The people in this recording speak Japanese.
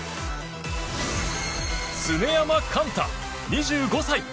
常山幹太、２５歳。